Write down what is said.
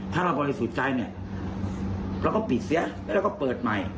ถ้าเราปลอดภัยสุดใจเนี่ยเราก็ปิดเสียแล้วก็เปิดใหม่